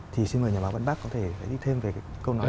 thì xin mời nhà báo văn bác có thể giải thích thêm về câu nói